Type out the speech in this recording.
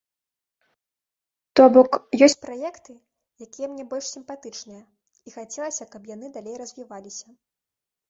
То бок, ёсць праекты, якія мне больш сімпатычныя і хацелася, каб яны далей развіваліся.